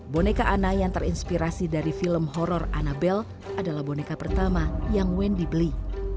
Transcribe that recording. boneka anna yang terinspirasi dari film horror annabel adalah boneka pertama yang wendy beli